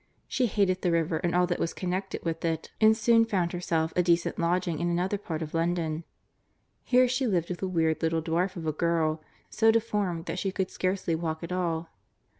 She hated the river and all that was connected with it, and soon found herself a decent lodging in another part of London. Here she lived with a weird little dwarf of a girl, so deformed that she could scarcely walk at all.